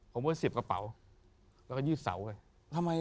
ผมว่าเสียบกระเป๋าแล้วกำลังยึดเสาร์